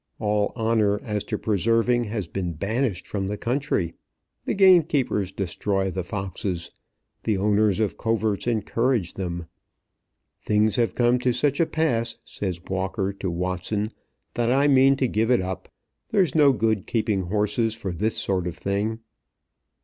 All honour as to preserving has been banished from the country. The gamekeepers destroy the foxes. The owners of coverts encourage them. "Things have come to such a pass," says Walker to Watson, "that I mean to give it up. There's no good keeping horses for this sort of thing."